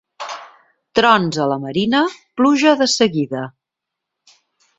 Trons a la marina, pluja de seguida.